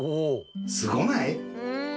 すごない！？